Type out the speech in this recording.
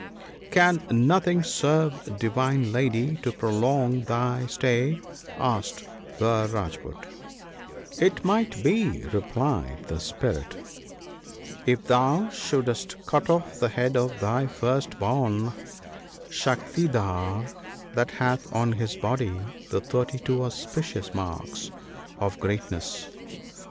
'Can nothing serve, Divine Lady, to prolong thy stay?' asked the Rajpoot. t It might be,' replied the Spirit, ' if thou shouldst cut 106 THE BOOK OF GOOD COUNSELS. off the head of thy first born Shaktidhar, that hath on his body the thirty two auspicious marks (* 4 ) of greatness.